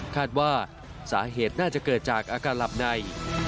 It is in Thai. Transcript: คาดว่าสาเหตุน่าจะเกิดจากอาการหลับใน